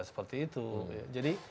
seperti itu jadi